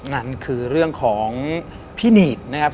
นั่นคือเรื่องของพี่หนีดนะครับ